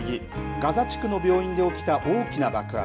ガザ地区の病院で起きた大きな爆発。